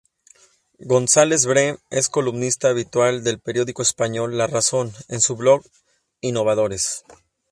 González Bree es columnista habitual del periódico español La Razón, en su blog "Innovadores".